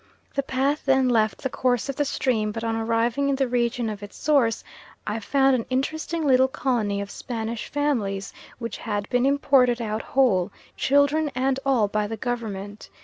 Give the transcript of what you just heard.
The path then left the course of the stream, but on arriving in the region of its source I found an interesting little colony of Spanish families which had been imported out whole, children and all, by the Government.